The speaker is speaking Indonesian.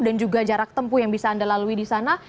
dan juga jarak tempuh yang bisa anda lalui di sana